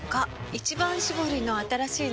「一番搾り」の新しいの？